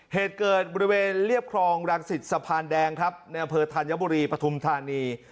เหตุเกิดบริเวณเรียบครองรังสิตสะพานแดงครับในอำเภอธัญบุรีปฐุมธานี